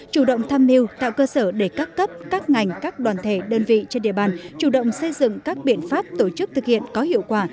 chủ động tham mưu tạo cơ sở để các cấp các ngành các đoàn thể đơn vị trên địa bàn chủ động xây dựng các biện pháp tổ chức thực hiện có hiệu quả